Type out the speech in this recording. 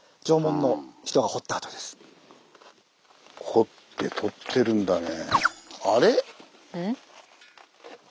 掘ってとってるんだね。